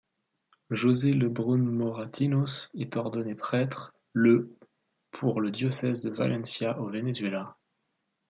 José Lebrún Moratinos est ordonné prêtre le pour le diocèse de Valencia au Venezuela.